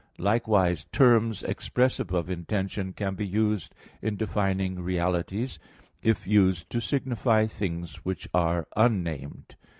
Likewise, terms expressive of intention can be used in defining realities if used to signify things which are unnamed.